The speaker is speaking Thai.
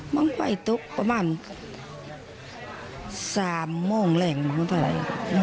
มันไปตกประมาณ๓โมงแหล่งก็ได้